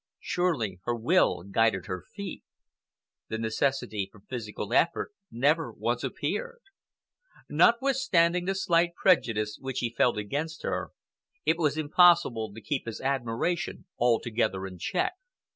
Surely her will guided her feet! The necessity for physical effort never once appeared. Notwithstanding the slight prejudice which he had felt against her, it was impossible to keep his admiration altogether in check.